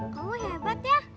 kamu hebat ya